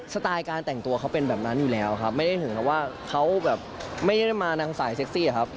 สไตล์การแต่งตัวเขาเป็นแบบนั้นอยู่แล้วครับไม่ได้ถึงกับว่าเขาแบบไม่ได้มานางสายเซ็กซี่อะครับ